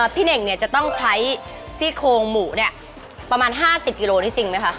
พี่เน่งเนี่ยจะต้องใช้ซี่โครงหมูเนี่ยประมาณ๕๐กิโลนี่จริงไหมคะ